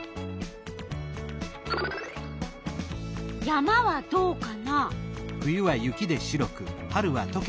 山はどうかな？